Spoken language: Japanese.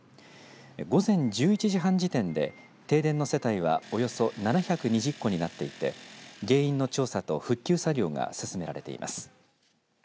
午前１１時半時点で停電の世帯はおよそ７２０戸になっていて原因の調査と復旧作業が進められています。